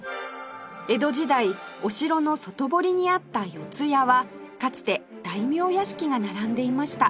江戸時代お城の外堀にあった四谷はかつて大名屋敷が並んでいました